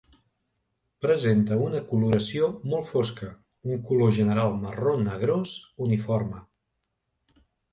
Presenta una coloració molt fosca, un color general marró negrós uniforme.